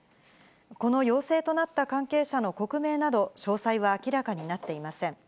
この陽性となった関係者の国名など、詳細は明らかになっていません。